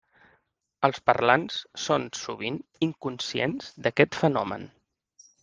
Els parlants són sovint inconscients d'aquest fenomen.